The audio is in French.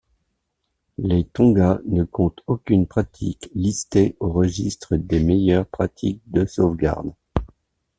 Les Tonga ne comptent aucune pratique listée au registre des meilleures pratiques de sauvegarde.